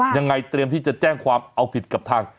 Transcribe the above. ยังไงเตรียมที่จะแจ้งความเอาผิดกับทาง